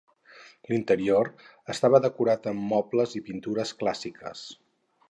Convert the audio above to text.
L'interior estava decorat amb mobles i pintures clàssiques.